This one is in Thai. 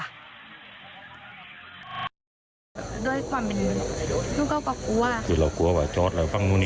ด้วยความนี่ก็ก็กลัวคือเรากลัวว่าจอดเราฟังนู้นนี่